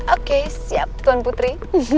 oke siap tuan putri